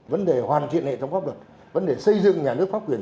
vấn đề hoàn thiện hệ thống pháp luật vấn đề xây dựng nhà nước pháp quyền